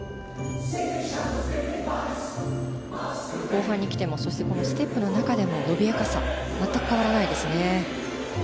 後半にきてもステップの中でも伸びやかさ全く変わらないですね。